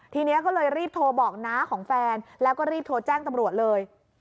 ทีนี้ก็เลยรีบโทรบอกน้าของแฟนแล้วก็รีบโทรแจ้งตำรวจเลย